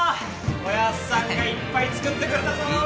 おやっさんがいっぱい作ってくれたぞー！